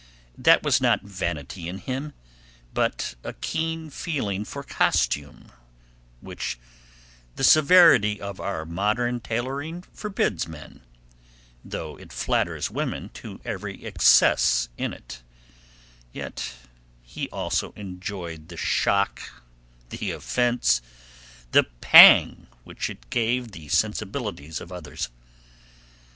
That was not vanity in him, but a keen feeling for costume which the severity of our modern tailoring forbids men, though it flatters women to every excess in it; yet he also enjoyed the shock, the offence, the pang which it gave the sensibilities of others.